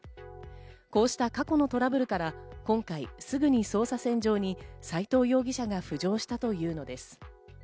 こうした過去のトラブルから今回すぐに捜査線上に斎藤容疑者が浮上したというのです。